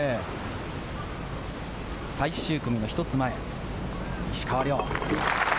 最終組の１つ前、石川遼。